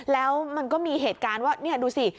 แล้วมันก็มีเหตุการณ์ว่านี่ดูสิ